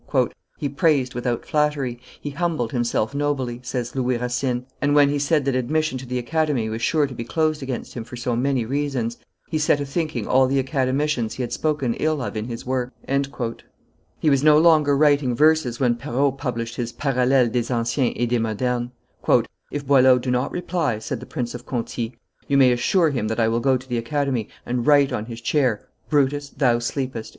"He praised without flattery; he humbled himself nobly" says Louis Racine; "and when he said that admission to the Academy was sure to be closed against him for so many reasons, he set a thinking all the Academicians he had spoken ill of in his works." He was no longer writing verses when Perrault published his _Parallele des anciens et desmodernes . "If Boileau do not reply," said the Prince of Conti, "you may assure him that I will go to the Academy, and write on his chair, 'Brutus, thou sleepest.